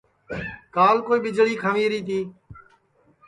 کال کوئی ٻیݪی کھنٚوی تی